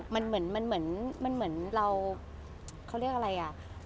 มันเหมือนเราเขาเรียกอะไรอ่ะ